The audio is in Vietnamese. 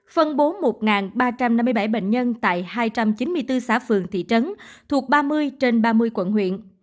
phân bố một ba trăm năm mươi bảy bệnh nhân tại hai trăm chín mươi bốn xã phường thị trấn thuộc ba mươi trên ba mươi quận huyện